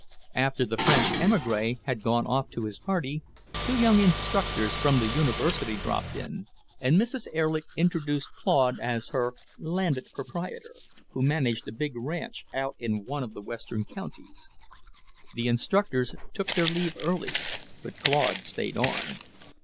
After the French emigré had gone off to his party, two young instructors from the University dropped in, and Mrs. Erlich introduced Claude as her "landed proprietor" who managed a big ranch out in one of the western counties. The instructors took their leave early, but Claude stayed on.